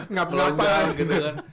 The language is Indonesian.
nggak pelan pal gitu kan